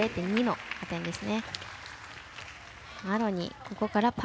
０．２の加点です。